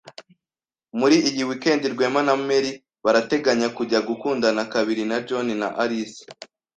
Muri iyi wikendi Rwema na Mary barateganya kujya gukundana kabiri na John na Alice.